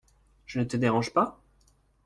Je ne te dérange pas ?